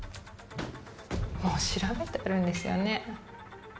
もう調べてあるんですよね